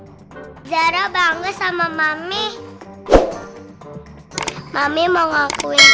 ingin kesalahannya mami mau aku ingin kesalahannya mami mau aku ingin kesalahannya mami mau aku ingin kesalahannya